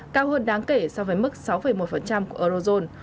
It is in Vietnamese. cao hơn đáng kể so với mức sáu một của eurozone